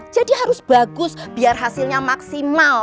jadi harus bagus biar hasilnya maksimal